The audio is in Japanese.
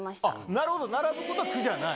なるほど、並ぶことは苦じゃない？